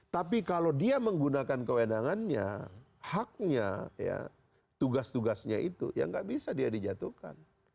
tapi kalau dia menggunakan kewenangannya haknya ya tugas tugasnya itu ya nggak bisa dia dijatuhkan